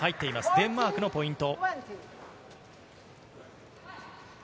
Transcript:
デンマークのポイント。